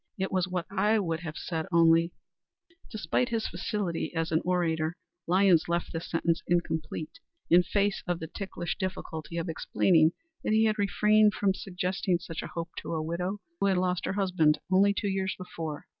It was what I would have said only " Despite his facility as an orator, Lyons left this sentence incomplete in face of the ticklish difficulty of explaining that he had refrained from suggesting such a hope to a widow who had lost her husband only two years before.